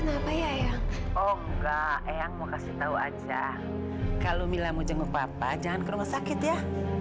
oh enggak mau kasih tahu aja kalau mila mau jenguk papa jangan ke rumah sakit ya